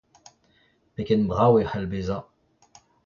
Pegen brav e c'hell bezañ.